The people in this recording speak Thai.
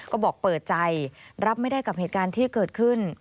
ก็บอกเปิดใจรับไม่ได้กับเหตุการณ์ที่เกิดขึ้น